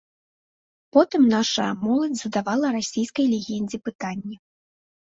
Потым нашая моладзь задавала расійскай легендзе пытанні.